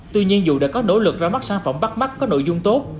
tuy nhiên dù đã có nỗ lực ra mắt sản phẩm bắt mắt có nội dung tốt